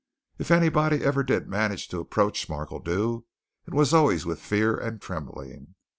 If anybody ever did manage to approach Markledew, it was always with fear and trembling.